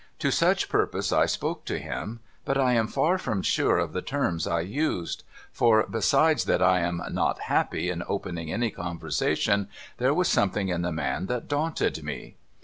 To such purpose I spoke to him ; but I am far from sure of the terms I used ; for, besides that I am not happy in opening any conversation, there was some thing in the man that daunted me.